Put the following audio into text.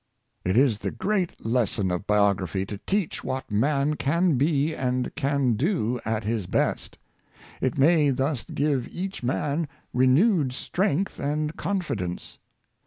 It is the great lesson of biography to teach what man can be and can do at his best. It may thus give each man renewed strength and confidence.